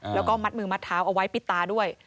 แล้วก็มัดมือมัดเท้าเอาไว้ปิดตาด้วย